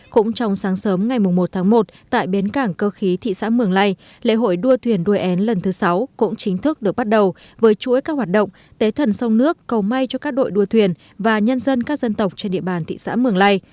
cũng trong sáng sớm ngày một tháng một tại bến cảng cơ khí thị xã mường lây lễ hội đua thuyền đuôi én lần thứ sáu cũng chính thức được bắt đầu với chuỗi các hoạt động tế thần sông nước cầu may cho các đội đua thuyền và nhân dân các dân tộc trên địa bàn thị xã mường lây